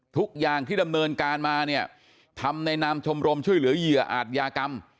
ทุกอย่างที่ดำเนินการมาเนี่ยทำในนามชมรมช่วยเหลือเหยื่ออาจยากรรม